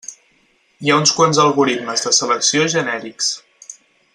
Hi ha uns quants algoritmes de selecció genèrics.